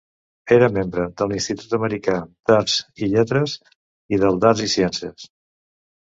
Era membre de l'Institut Americà d'Arts i Lletres i del d'Arts i Ciències.